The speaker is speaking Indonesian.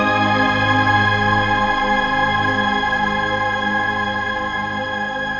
terimakasih ya allah